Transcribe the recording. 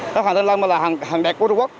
các hàng thanh long là hàng đẹp của trung quốc